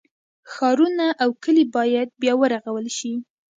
ښارونه او کلي باید بیا ورغول شي.